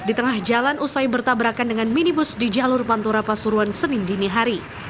di tengah jalan usai bertabrakan dengan minibus di jalur pantura pasuruan senin dinihari